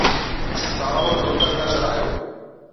سائو ڌوتل نظر آيو